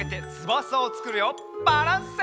バランス！